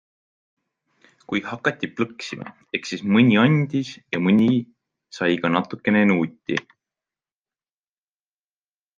Kui hakati plõksima, eks siis mõni andis ja mõni sai ka natukene nuuti.